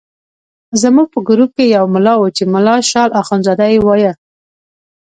زموږ په ګروپ کې یو ملا وو چې ملا شال اخندزاده یې وایه.